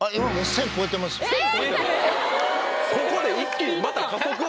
そこで一気にまた加速⁉